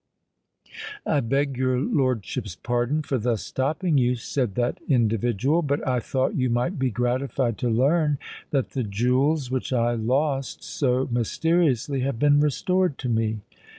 "I beg your lordship's pardon for thus stopping you," said that individual: "but I thought you might be gratified to learn that the jewels which I lost so mysteriously, have been restored to me."